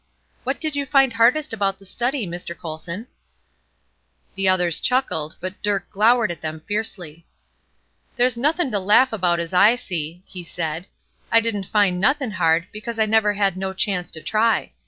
What did you find hardest about the study, Mr. Colson?" The others chuckled, but Dirk glowered at them fiercely. "There's nothin' to laugh about as I see," he said. "I didn't find nothin' hard, because I never had no chance to try.